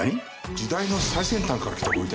時代の最先端から来たご遺体？